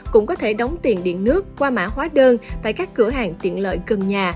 cũng có thể đóng tiền điện nước qua mã hóa đơn tại các cửa hàng tiện lợi gần nhà